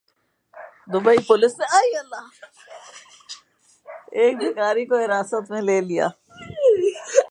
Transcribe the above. Dubai میں police نے ایک بھکاری کو حراست میں لے لیا